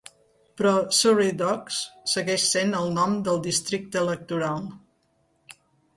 Però "Surrey Docks" segueix sent el nom del districte electoral.